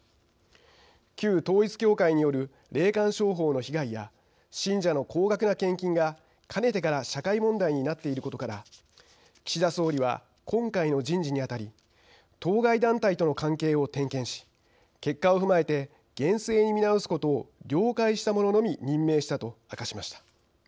旧統一教会による霊感商法の被害や信者の高額な献金がかねてから社会問題になっていることから岸田総理は今回の人事にあたり「当該団体との関係を点検し結果を踏まえて厳正に見直すことを了解した者のみ任命した」と明かしました。